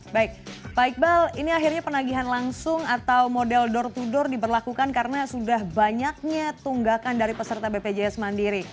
baik pak iqbal ini akhirnya penagihan langsung atau model door to door diberlakukan karena sudah banyaknya tunggakan dari peserta bpjs mandiri